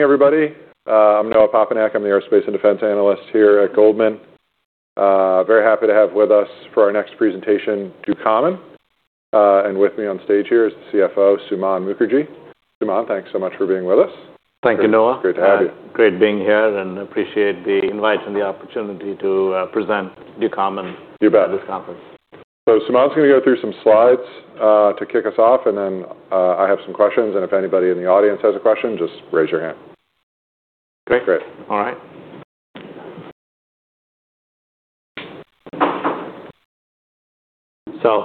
Hey, everybody. I'm Noah Papanek. I'm the Aerospace and Defense Analyst here at Goldman. Very happy to have with us for our next presentation, Ducommun. And with me on stage here is the CFO, Suman Mookerji. Suman, thanks so much for being with us. Thank you, Noah. Great to have you. Great being here, and appreciate the invite and the opportunity to present Ducommun. You bet. At this conference. Suman's going to go through some slides to kick us off, and then I have some questions. And if anybody in the audience has a question, just raise your hand. Okay, great. All right. So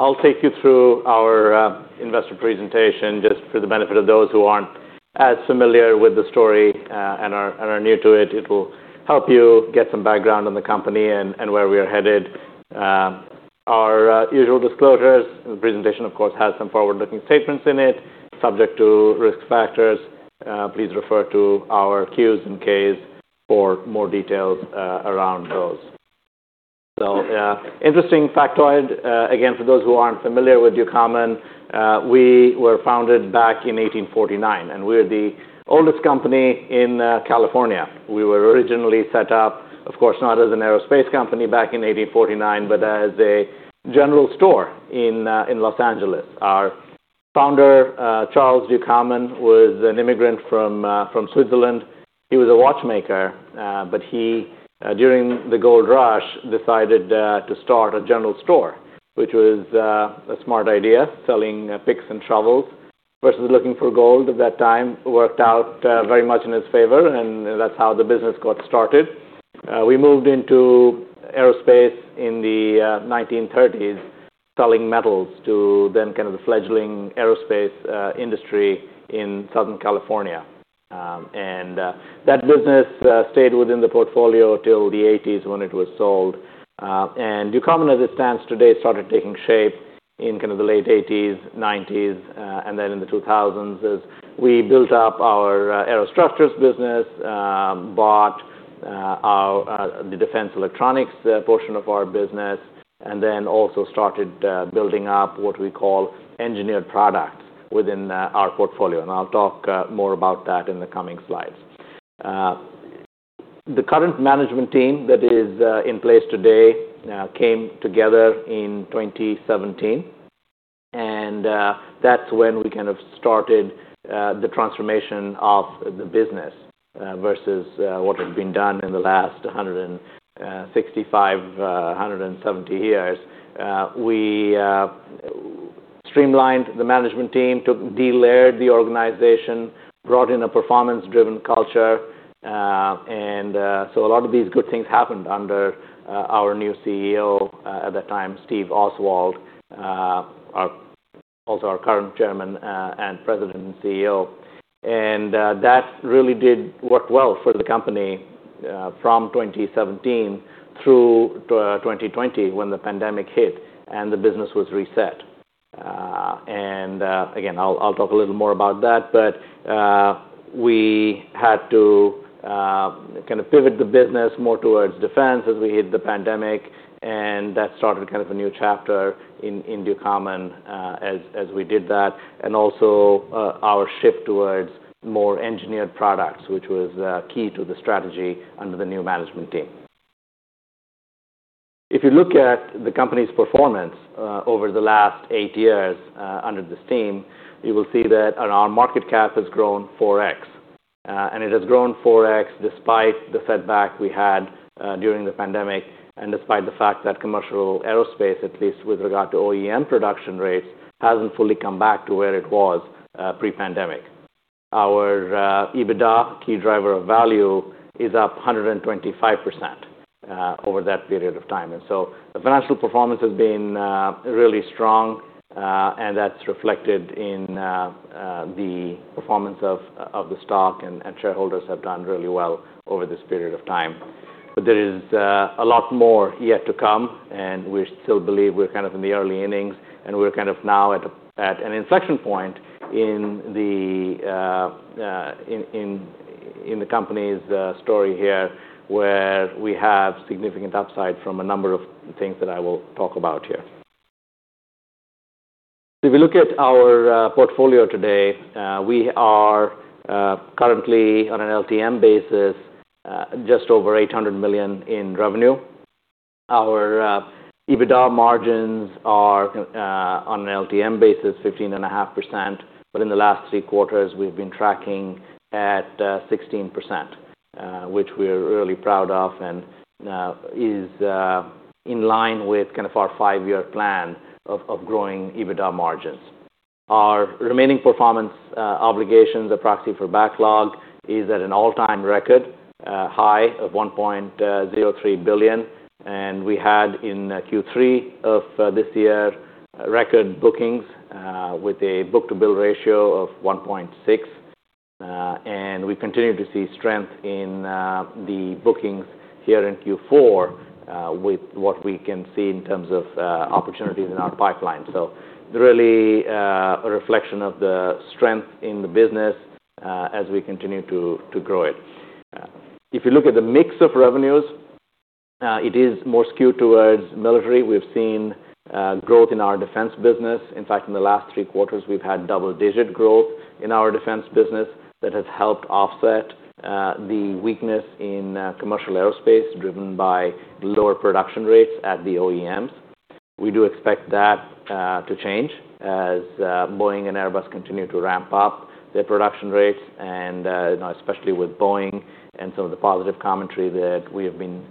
I'll take you through our investor presentation just for the benefit of those who aren't as familiar with the story and are new to it. It will help you get some background on the company and where we are headed. Our usual disclosures, the presentation, of course, has some forward-looking statements in it, subject to risk factors. Please refer to our Qs and Ks for more details around those. So, interesting factoid. Again, for those who aren't familiar with Ducommun, we were founded back in 1849, and we're the oldest company in California. We were originally set up, of course, not as an aerospace company back in 1849, but as a general store in Los Angeles. Our founder, Charles Ducommun, was an immigrant from Switzerland. He was a watchmaker, but he, during the Gold Rush, decided to start a general store, which was a smart idea, selling picks and shovels versus looking for gold at that time. It worked out very much in his favor, and that's how the business got started. We moved into aerospace in the 1930s, selling metals to then kind of the fledgling aerospace industry in Southern California. That business stayed within the portfolio till the 1980s when it was sold. Ducommun, as it stands today, started taking shape in kind of the late 1980s, 1990s, and then in the 2000s as we built up our aero structures business, bought the defense electronics portion of our business, and then also started building up what we call engineered products within our portfolio. I'll talk more about that in the coming slides. The current management team that is in place today came together in 2017, and that's when we kind of started the transformation of the business versus what had been done in the last 165, 170 years. We streamlined the management team, delayered the organization, brought in a performance-driven culture, and so a lot of these good things happened under our new CEO at that time, Steve Oswald, also our current Chairman, President, and CEO, and that really did work well for the company from 2017 through 2020 when the pandemic hit and the business was reset. Again, I'll talk a little more about that, but we had to kind of pivot the business more towards defense as we hit the pandemic, and that started kind of a new chapter in Ducommun as we did that, and also our shift towards more engineered products, which was key to the strategy under the new management team. If you look at the company's performance over the last eight years under this team, you will see that our market cap has grown 4X, and it has grown 4X despite the setback we had during the pandemic and despite the fact that commercial aerospace, at least with regard to OEM production rates, hasn't fully come back to where it was pre-pandemic. Our EBITDA, key driver of value, is up 125% over that period of time. And so financial performance has been really strong, and that's reflected in the performance of the stock, and shareholders have done really well over this period of time. But there is a lot more yet to come, and we still believe we're kind of in the early innings, and we're kind of now at an inflection point in the company's story here where we have significant upside from a number of things that I will talk about here. If you look at our portfolio today, we are currently on an LTM basis, just over $800 million in revenue. Our EBITDA margins are on an LTM basis, 15.5%, but in the last three quarters, we've been tracking at 16%, which we are really proud of and is in line with kind of our five-year plan of growing EBITDA margins. Our remaining performance obligations, a proxy for backlog, is at an all-time record high of $1.03 billion, and we had in Q3 of this year record bookings with a book-to-bill ratio of 1.6, and we continue to see strength in the bookings here in Q4 with what we can see in terms of opportunities in our pipeline, so really a reflection of the strength in the business as we continue to grow it. If you look at the mix of revenues, it is more skewed towards military. We've seen growth in our defense business. In fact, in the last three quarters, we've had double-digit growth in our defense business that has helped offset the weakness in commercial aerospace driven by lower production rates at the OEMs. We do expect that to change as Boeing and Airbus continue to ramp up their production rates, and especially with Boeing and some of the positive commentary that we have been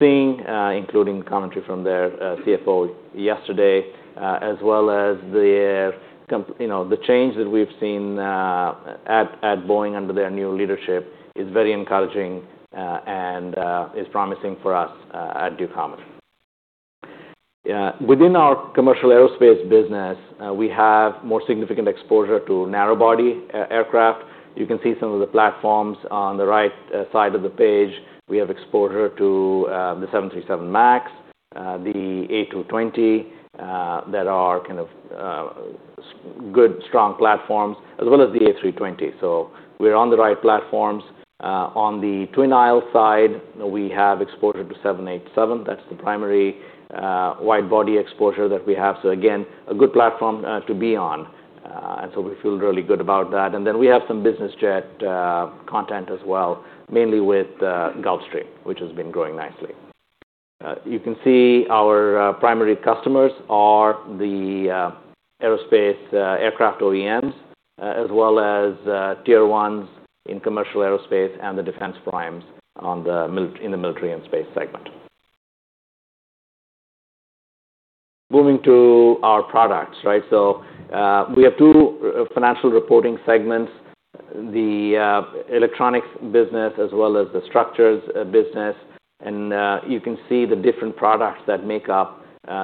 seeing, including commentary from their CFO yesterday, as well as the change that we've seen at Boeing under their new leadership is very encouraging and is promising for us at Ducommun. Within our commercial aerospace business, we have more significant exposure to narrow-body aircraft. You can see some of the platforms on the right side of the page. We have exposure to the 737 MAX, the A220 that are kind of good, strong platforms, as well as the A320. So we're on the right platforms. On the twin aisle side, we have exposure to 787. That's the primary wide-body exposure that we have. So again, a good platform to be on, and so we feel really good about that. And then we have some business jet content as well, mainly with Gulfstream, which has been growing nicely. You can see our primary customers are the aerospace aircraft OEMs, as well as tier ones in commercial aerospace and the defense primes in the military and space segment. Moving to our products, right? So we have two financial reporting segments, the electronics business as well as the structures business. And you can see the different products that make up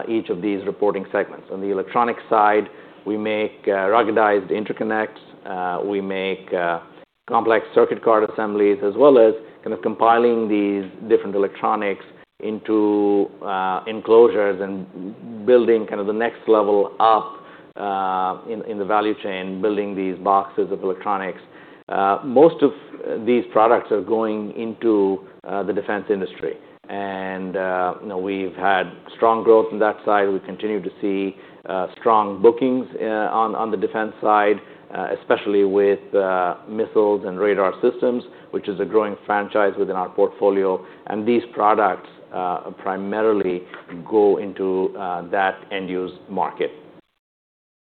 each of these reporting segments. On the electronics side, we make ruggedized interconnects. We make complex circuit card assemblies, as well as kind of compiling these different electronics into enclosures and building kind of the next level up in the value chain, building these boxes of electronics. Most of these products are going into the defense industry. And we've had strong growth on that side. We continue to see strong bookings on the defense side, especially with missiles and radar systems, which is a growing franchise within our portfolio, and these products primarily go into that end-use market.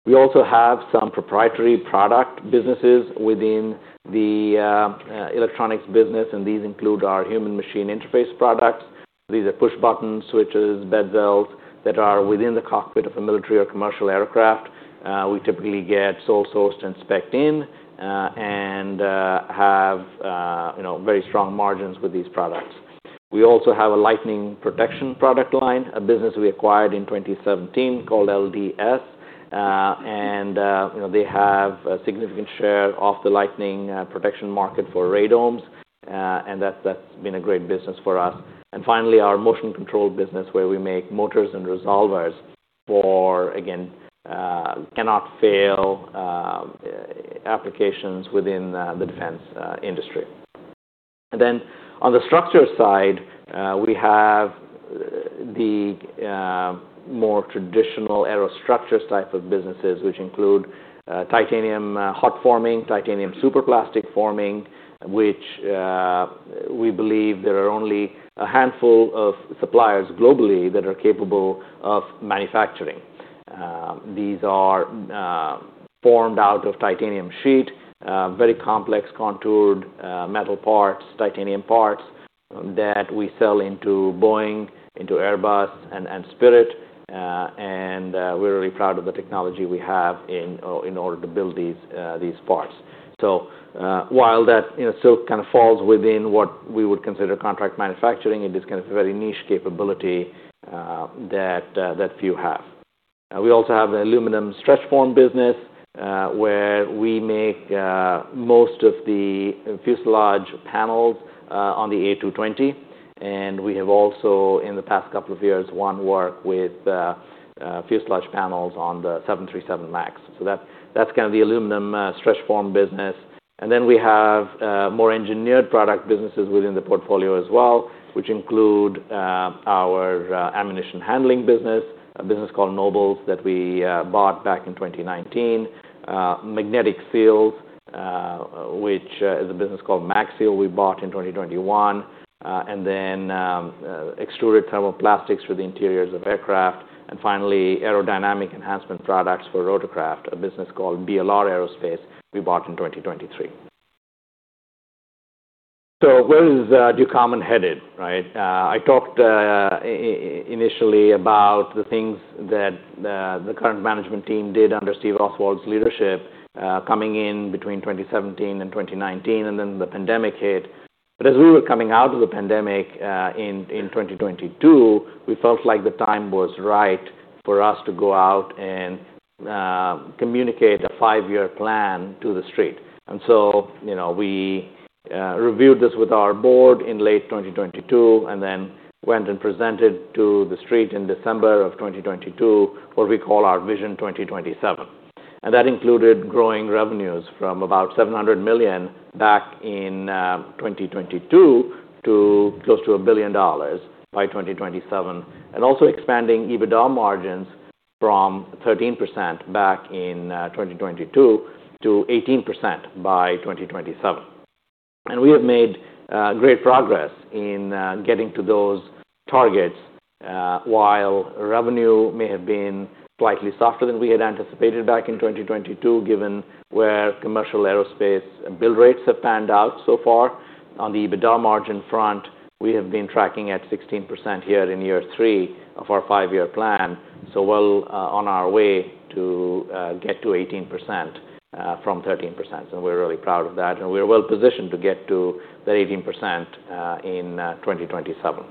We also have some proprietary product businesses within the electronics business, and these include our human-machine interface products. These are push buttons, switches, bezels that are within the cockpit of a military or commercial aircraft. We typically get sole-sourced and specced in and have very strong margins with these products. We also have a lightning protection product line, a business we acquired in 2017 called LDS, and they have a significant share of the lightning protection market for radomes, and that's been a great business for us, and finally, our motion control business, where we make motors and resolvers for, again, cannot fail applications within the defense industry. And then on the structure side, we have the more traditional aero structures type of businesses, which include titanium hot forming, titanium superplastic forming, which we believe there are only a handful of suppliers globally that are capable of manufacturing. These are formed out of titanium sheet, very complex contoured metal parts, titanium parts that we sell into Boeing, into Airbus, and Spirit. And we're really proud of the technology we have in order to build these parts. So while that still kind of falls within what we would consider contract manufacturing, it is kind of a very niche capability that few have. We also have an aluminum stretch forming business where we make most of the fuselage panels on the A220. And we have also, in the past couple of years, won work with fuselage panels on the 737 MAX. So that's kind of the aluminum stretch forming business. And then we have more engineered product businesses within the portfolio as well, which include our ammunition handling business, a business called Nobles that we bought back in 2019, Magnetic Seal, which is a business called Magnetic Seal we bought in 2021, and then extruded thermoplastics for the interiors of aircraft. And finally, aerodynamic enhancement products for rotorcraft, a business called BLR Aerospace we bought in 2023. So where is Ducommun headed, right? I talked initially about the things that the current management team did under Steve Oswald's leadership coming in between 2017 and 2019, and then the pandemic hit. But as we were coming out of the pandemic in 2022, we felt like the time was right for us to go out and communicate a five-year plan to the street. We reviewed this with our board in late 2022 and then went and presented to the street in December of 2022, what we call our Vision 2027. That included growing revenues from about $700 million back in 2022 to close to $1 billion by 2027, and also expanding EBITDA margins from 13% back in 2022-18% by 2027. We have made great progress in getting to those targets while revenue may have been slightly softer than we had anticipated back in 2022, given where commercial aerospace and build rates have panned out so far. On the EBITDA margin front, we have been tracking at 16% here in year three of our five-year plan. We're on our way to get to 18% from 13%. We're really proud of that. We're well positioned to get to that 18% in 2027.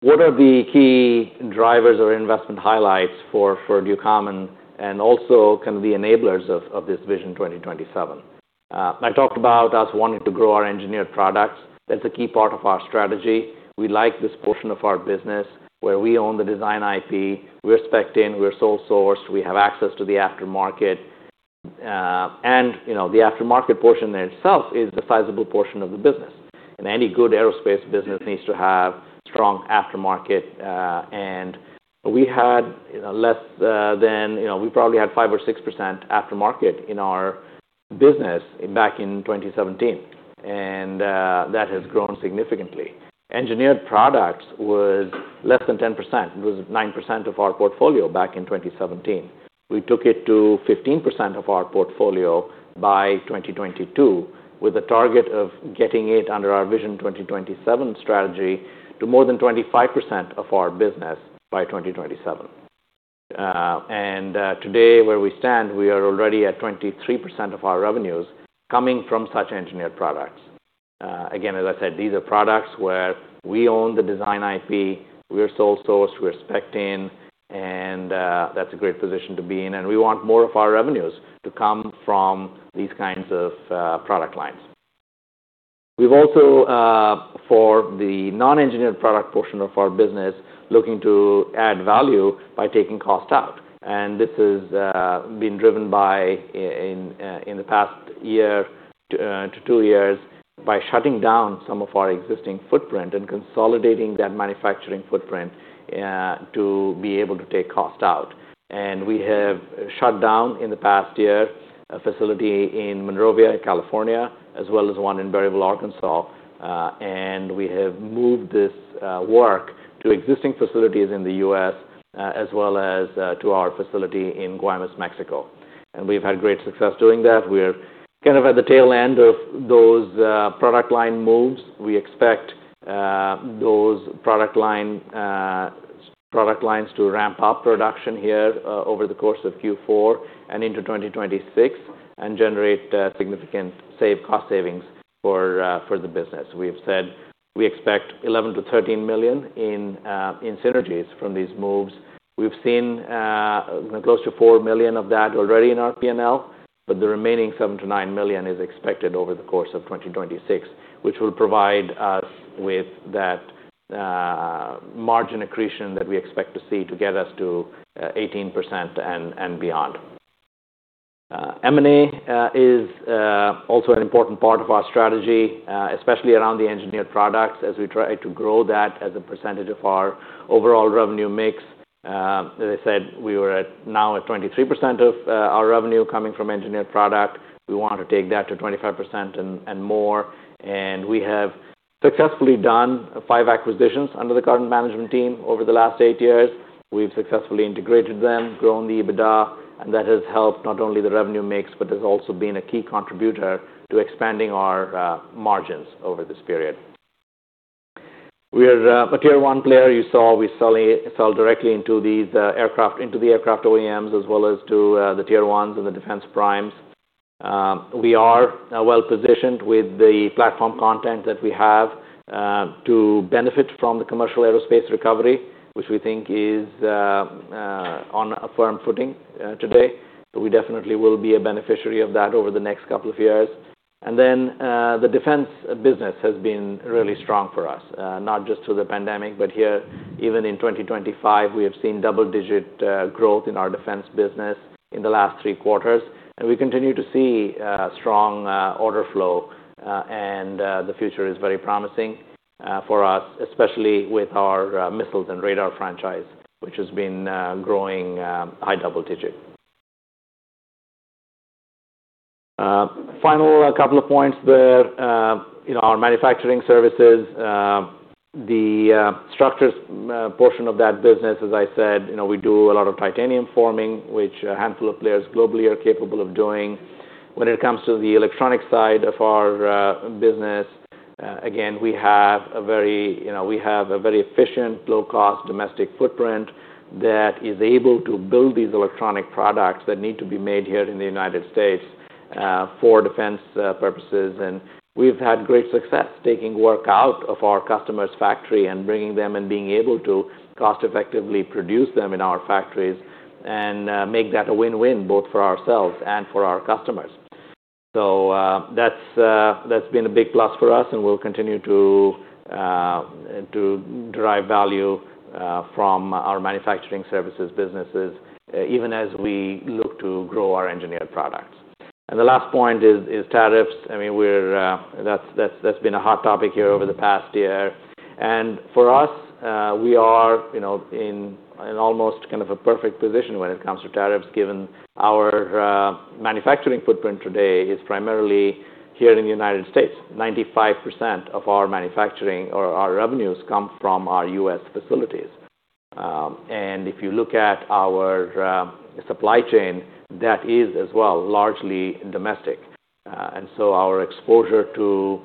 What are the key drivers or investment highlights for Ducommun and also kind of the enablers of this Vision 2027? I talked about us wanting to grow our engineered products. That's a key part of our strategy. We like this portion of our business where we own the design IP. We're specced in. We're sole-sourced. We have access to the aftermarket. And the aftermarket portion in itself is a sizable portion of the business. And any good aerospace business needs to have strong aftermarket. And we had less than we probably had 5% or 6% aftermarket in our business back in 2017, and that has grown significantly. Engineered products was less than 10%. It was 9% of our portfolio back in 2017. We took it to 15% of our portfolio by 2022 with a target of getting it under our Vision 2027 strategy to more than 25% of our business by 2027. And today, where we stand, we are already at 23% of our revenues coming from such engineered products. Again, as I said, these are products where we own the design IP. We're sole-sourced. We're specced in. And that's a great position to be in. And we want more of our revenues to come from these kinds of product lines. We've also, for the non-engineered product portion of our business, looking to add value by taking cost out. And this has been driven by, in the past year to two years, by shutting down some of our existing footprint and consolidating that manufacturing footprint to be able to take cost out. We have shut down in the past year a facility in Monrovia, California, as well as one in Berryville, Arkansas. And we have moved this work to existing facilities in the U.S., as well as to our facility in Guaymas, Mexico. And we've had great success doing that. We're kind of at the tail end of those product line moves. We expect those product lines to ramp up production here over the course of Q4 and into 2026 and generate significant cost savings for the business. We've said we expect $11 million-$13 million in synergies from these moves. We've seen close to $4 million of that already in our P&L, but the remaining $7 million-$9 million is expected over the course of 2026, which will provide us with that margin accretion that we expect to see to get us to 18% and beyond. M&A is also an important part of our strategy, especially around the engineered products, as we try to grow that as a percentage of our overall revenue mix. As I said, we were now at 23% of our revenue coming from engineered product. We want to take that to 25% and more. And we have successfully done five acquisitions under the current management team over the last eight years. We've successfully integrated them, grown the EBITDA, and that has helped not only the revenue mix, but has also been a key contributor to expanding our margins over this period. We are a tier one player. You saw we sell directly into the aircraft OEMs, as well as to the tier ones and the defense primes. We are well positioned with the platform content that we have to benefit from the commercial aerospace recovery, which we think is on a firm footing today. But we definitely will be a beneficiary of that over the next couple of years. And then the defense business has been really strong for us, not just through the pandemic, but here, even in 2025, we have seen double-digit growth in our defense business in the last three quarters. And we continue to see strong order flow, and the future is very promising for us, especially with our missiles and radar franchise, which has been growing high double-digit. Final couple of points there, our manufacturing services, the structures portion of that business, as I said, we do a lot of titanium forming, which a handful of players globally are capable of doing. When it comes to the electronic side of our business, again, we have a very efficient, low-cost domestic footprint that is able to build these electronic products that need to be made here in the United States for defense purposes. And we've had great success taking work out of our customer's factory and bringing them and being able to cost-effectively produce them in our factories and make that a win-win both for ourselves and for our customers. So that's been a big plus for us, and we'll continue to drive value from our manufacturing services businesses, even as we look to grow our engineered products. And the last point is tariffs. I mean, that's been a hot topic here over the past year. And for us, we are in almost kind of a perfect position when it comes to tariffs, given our manufacturing footprint today is primarily here in the United States. 95% of our manufacturing or our revenues come from our U.S. facilities. And if you look at our supply chain, that is as well largely domestic. And so our exposure to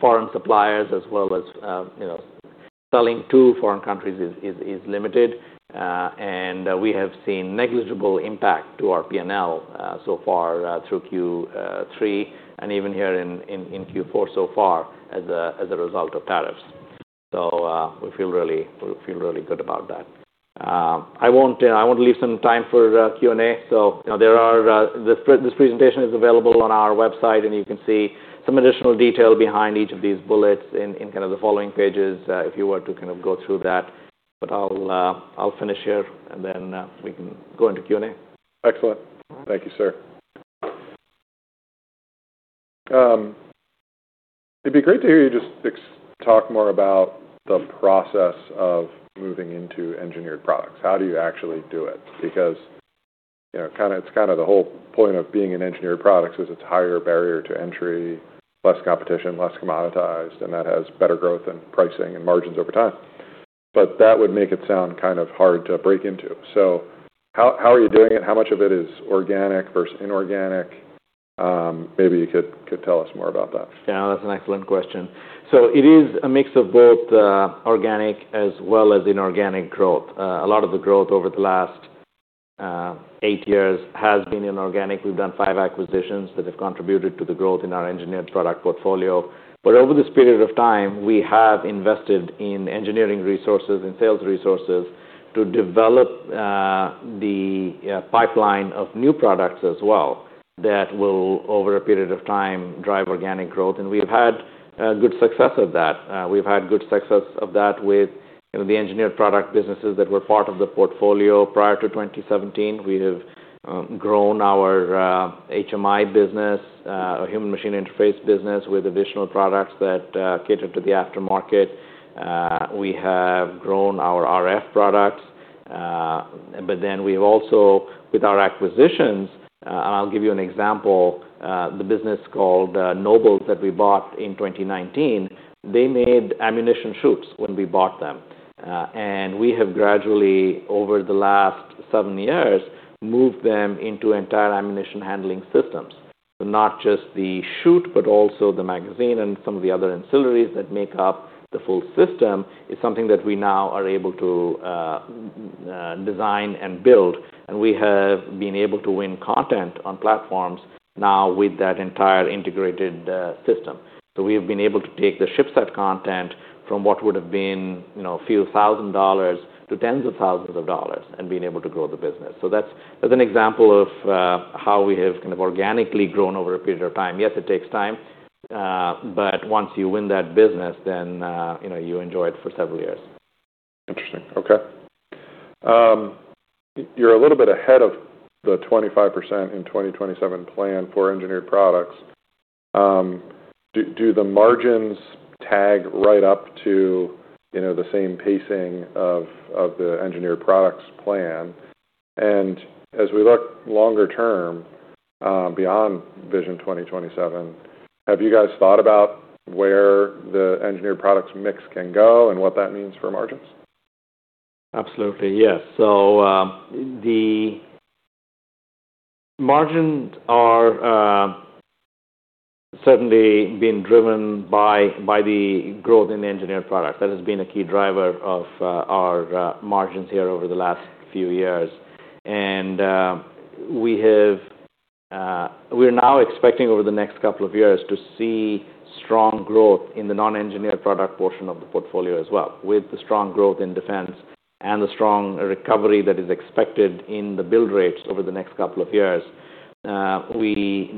foreign suppliers, as well as selling to foreign countries, is limited. And we have seen negligible impact to our P&L so far through Q3 and even here in Q4 so far as a result of tariffs. So we feel really good about that. I want to leave some time for Q&A. So this presentation is available on our website, and you can see some additional detail behind each of these bullets in kind of the following pages if you were to kind of go through that. But I'll finish here, and then we can go into Q&A. Excellent. Thank you, sir. It'd be great to hear you just talk more about the process of moving into engineered products. How do you actually do it? Because it's kind of the whole point of being in engineered products is it's a higher barrier to entry, less competition, less commoditized, and that has better growth and pricing and margins over time. But that would make it sound kind of hard to break into. So how are you doing it? How much of it is organic versus inorganic? Maybe you could tell us more about that. Yeah, that's an excellent question. So it is a mix of both organic as well as inorganic growth. A lot of the growth over the last eight years has been inorganic. We've done five acquisitions that have contributed to the growth in our engineered product portfolio. But over this period of time, we have invested in engineering resources and sales resources to develop the pipeline of new products as well that will, over a period of time, drive organic growth. And we've had good success with that. We've had good success of that with the engineered product businesses that were part of the portfolio prior to 2017. We have grown our HMI business, a human-machine interface business, with additional products that cater to the aftermarket. We have grown our RF products. But then we've also, with our acquisitions, and I'll give you an example, the business called Nobles that we bought in 2019, they made ammunition chutes when we bought them. And we have gradually, over the last seven years, moved them into entire ammunition handling systems. So not just the chute, but also the magazine and some of the other ancillaries that make up the full system is something that we now are able to design and build. And we have been able to win content on platforms now with that entire integrated system. So we have been able to take the ship-set content from what would have been a few thousand dollars to tens of thousands of dollars and been able to grow the business. So that's an example of how we have kind of organically grown over a period of time. Yes, it takes time. But once you win that business, then you enjoy it for several years. Interesting. Okay. You're a little bit ahead of the 25% in 2027 plan for engineered products. Do the margins track right up to the same pacing of the engineered products plan? As we look longer term beyond Vision 2027, have you guys thought about where the engineered products mix can go and what that means for margins? Absolutely. Yes. The margins are certainly being driven by the growth in engineered product. That has been a key driver of our margins here over the last few years. And we are now expecting over the next couple of years to see strong growth in the non-engineered product portion of the portfolio as well. With the strong growth in defense and the strong recovery that is expected in the build rates over the next couple of years, we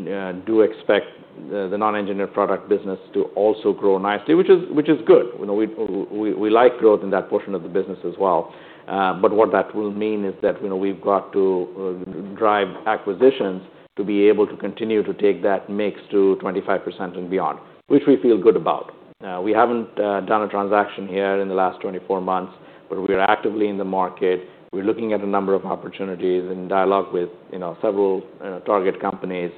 do expect the non-engineered product business to also grow nicely, which is good. We like growth in that portion of the business as well. But what that will mean is that we've got to drive acquisitions to be able to continue to take that mix to 25% and beyond, which we feel good about. We haven't done a transaction here in the last 24 months, but we are actively in the market. We're looking at a number of opportunities in dialogue with several target companies,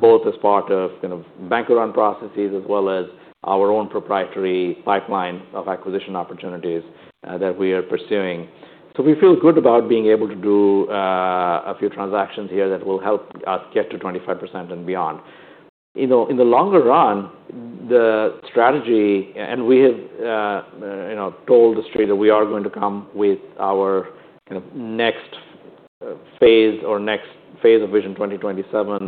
both as part of kind of bank run processes as well as our own proprietary pipeline of acquisition opportunities that we are pursuing. So we feel good about being able to do a few transactions here that will help us get to 25% and beyond. In the longer run, the strategy, and we have told the street that we are going to come with our kind of next phase or next phase of Vision 2027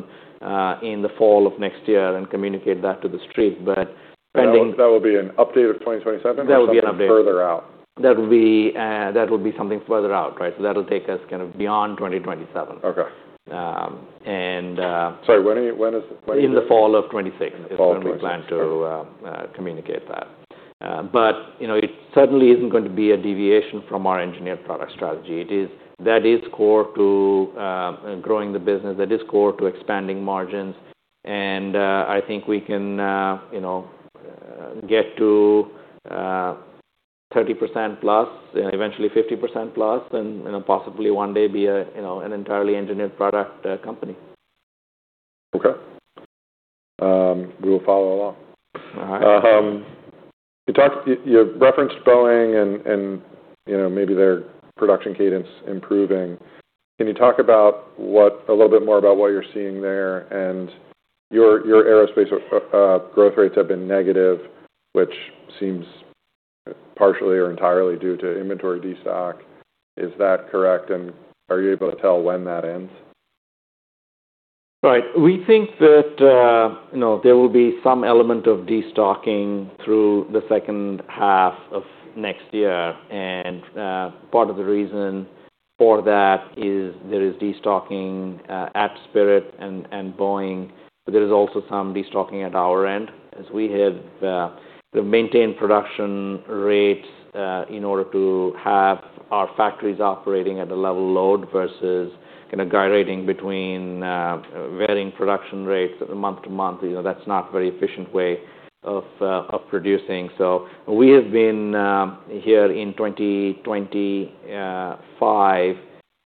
in the fall of next year and communicate that to the street. But that will be an update of 2027? That will be an update. That will be further out. That will be something further out, right? So that'll take us kind of beyond 2027. Okay. And sorry, when is it? In the fall of 2026 is when we plan to communicate that. But it certainly isn't going to be a deviation from our engineered product strategy. That is core to growing the business. That is core to expanding margins. And I think we can get to 30% plus, eventually 50% plus, and possibly one day be an entirely engineered product company. Okay. We will follow along. All right. You referenced Boeing and maybe their production cadence improving. Can you talk a little bit more about what you're seeing there? And your aerospace growth rates have been negative, which seems partially or entirely due to inventory destock. Is that correct? Are you able to tell when that ends? Right. We think that there will be some element of destocking through the second half of next year. Part of the reason for that is there is destocking at Spirit and Boeing. There is also some destocking at our end, as we had maintained production rates in order to have our factories operating at a level load versus kind of gyrating between varying production rates month to month. That's not a very efficient way of producing. We have been here in 2025,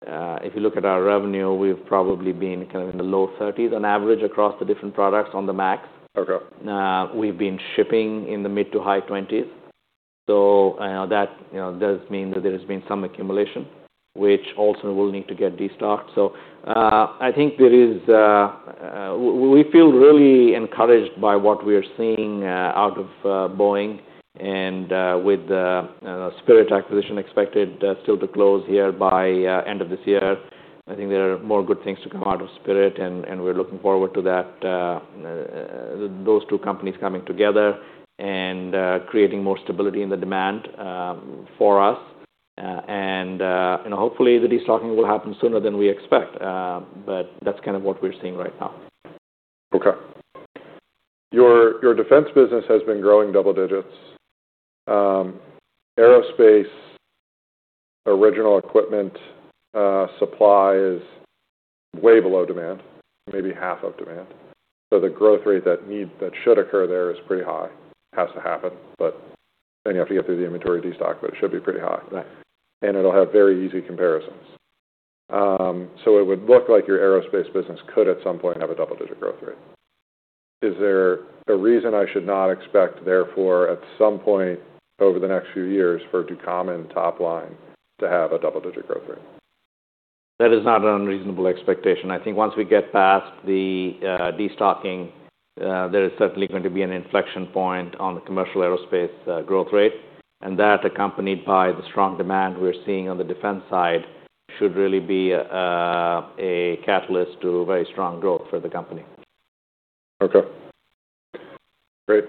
if you look at our revenue, we've probably been kind of in the low 30s on average across the different products on the MAX. We've been shipping in the mid to high 20s. That does mean that there has been some accumulation, which also will need to get destocked. I think we feel really encouraged by what we are seeing out of Boeing and with the Spirit acquisition expected still to close here by the end of this year. I think there are more good things to come out of Spirit, and we're looking forward to those two companies coming together and creating more stability in the demand for us. Hopefully, the destocking will happen sooner than we expect. That's kind of what we're seeing right now. Okay. Your defense business has been growing double digits. Aerospace original equipment supply is way below demand, maybe half of demand. The growth rate that should occur there is pretty high. It has to happen. Then you have to get through the inventory destock, but it should be pretty high. It'll have very easy comparisons. So it would look like your aerospace business could at some point have a double-digit growth rate. Is there a reason I should not expect, therefore, at some point over the next few years for Ducommun and Topline to have a double-digit growth rate? That is not an unreasonable expectation. I think once we get past the destocking, there is certainly going to be an inflection point on the commercial aerospace growth rate. And that, accompanied by the strong demand we're seeing on the defense side, should really be a catalyst to very strong growth for the company. Okay. Great.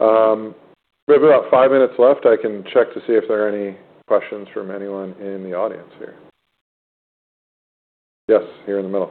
We have about five minutes left. I can check to see if there are any questions from anyone in the audience here. Yes, here in the middle.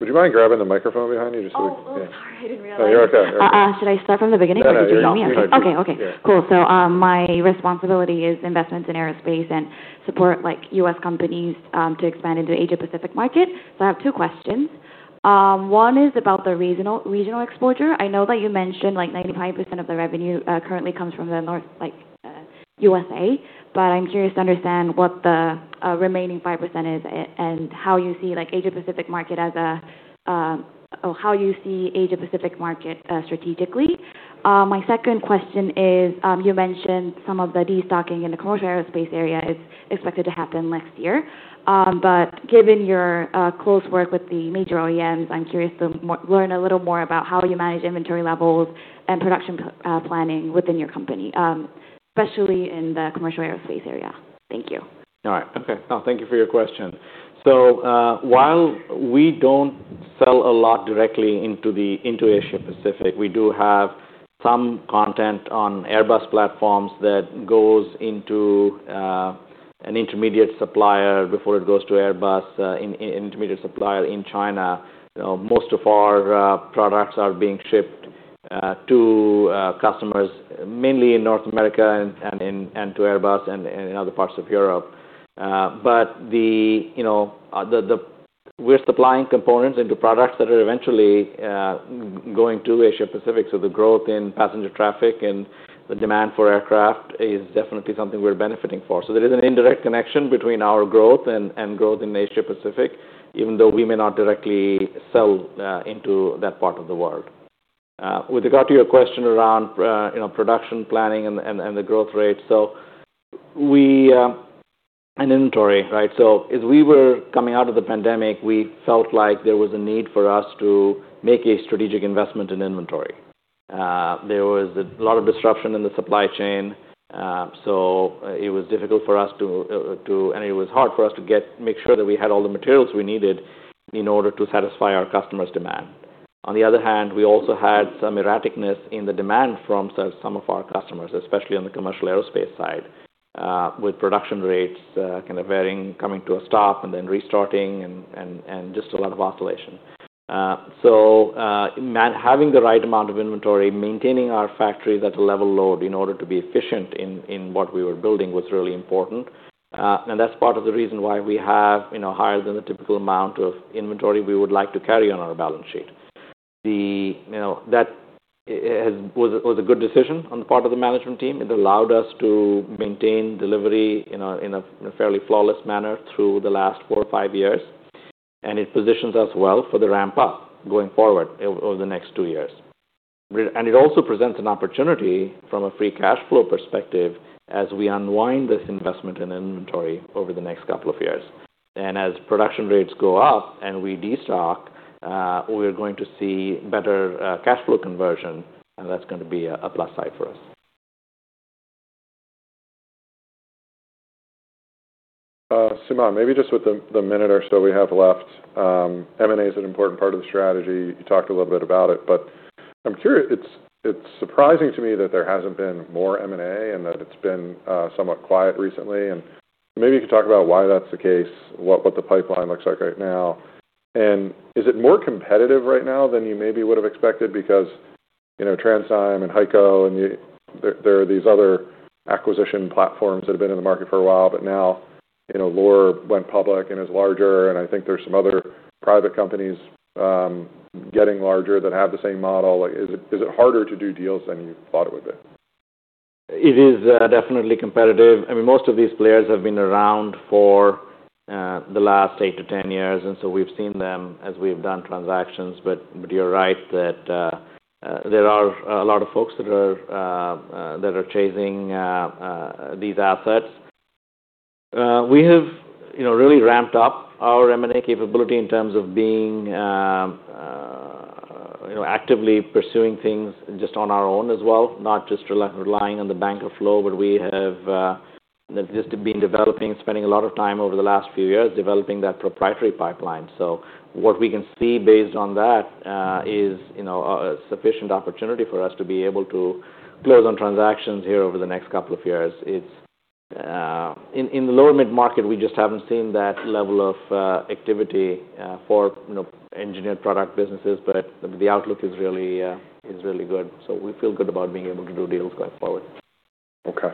Would you mind grabbing the microphone behind you just so we can? Oh, sorry. I didn't realize. You're okay. Should I start from the beginning? Yeah, go ahead. Okay. Cool. So my responsibility is investments in aerospace and support U.S. companies to expand into the Asia-Pacific market. So I have two questions. One is about the regional exposure. I know that you mentioned 95% of the revenue currently comes from North America, but I'm curious to understand what the remaining 5% is and how you see Asia-Pacific market as a or how you see Asia-Pacific market strategically. My second question is, you mentioned some of the destocking in the commercial aerospace area is expected to happen next year. But given your close work with the major OEMs, I'm curious to learn a little more about how you manage inventory levels and production planning within your company, especially in the commercial aerospace area. Thank you. All right. Okay. Thank you for your question. While we don't sell a lot directly into Asia-Pacific, we do have some content on Airbus platforms that goes into an intermediate supplier before it goes to Airbus, an intermediate supplier in China. Most of our products are being shipped to customers, mainly in North America and to Airbus and in other parts of Europe. But we're supplying components into products that are eventually going to Asia-Pacific. The growth in passenger traffic and the demand for aircraft is definitely something we're benefiting for. There is an indirect connection between our growth and growth in Asia-Pacific, even though we may not directly sell into that part of the world. With regard to your question around production planning and the growth rate, so we and inventory, right? So as we were coming out of the pandemic, we felt like there was a need for us to make a strategic investment in inventory. There was a lot of disruption in the supply chain. So it was difficult for us to, and it was hard for us to make sure that we had all the materials we needed in order to satisfy our customers' demand. On the other hand, we also had some erraticness in the demand from some of our customers, especially on the commercial aerospace side, with production rates kind of varying, coming to a stop and then restarting and just a lot of oscillation. So having the right amount of inventory, maintaining our factory at a level load in order to be efficient in what we were building was really important. That's part of the reason why we have higher than the typical amount of inventory we would like to carry on our balance sheet. That was a good decision on the part of the management team. It allowed us to maintain delivery in a fairly flawless manner through the last four or five years. And it positions us well for the ramp-up going forward over the next two years. And it also presents an opportunity from a free cash flow perspective as we unwind this investment in inventory over the next couple of years. And as production rates go up and we destock, we're going to see better cash flow conversion. And that's going to be a plus side for us. Suman, maybe just with the minute or so we have left, M&A is an important part of the strategy. You talked a little bit about it, but I'm curious. It's surprising to me that there hasn't been more M&A and that it's been somewhat quiet recently. And maybe you could talk about why that's the case, what the pipeline looks like right now. And is it more competitive right now than you maybe would have expected? Because TransDigm and HEICO, and there are these other acquisition platforms that have been in the market for a while, but now Loar went public and is larger. And I think there's some other private companies getting larger that have the same model. Is it harder to do deals than you thought it would be? It is definitely competitive. I mean, most of these players have been around for the last eight to 10 years. And so we've seen them as we've done transactions. But you're right that there are a lot of folks that are chasing these assets. We have really ramped up our M&A capability in terms of being actively pursuing things just on our own as well, not just relying on the bank flow, but we have just been developing, spending a lot of time over the last few years developing that proprietary pipeline. So what we can see based on that is a sufficient opportunity for us to be able to close on transactions here over the next couple of years. In the lower mid-market, we just haven't seen that level of activity for engineered product businesses, but the outlook is really good. So we feel good about being able to do deals going forward. Okay.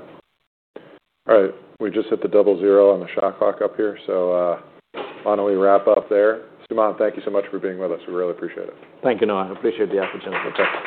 All right. We just hit the double zero on the shot clock up here. So why don't we wrap up there? Suman, thank you so much for being with us. We really appreciate it. Thank you, Noah. I appreciate the opportunity.